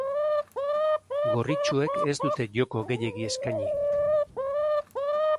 Gorritxoek ez dute joko gehiegi eskaini.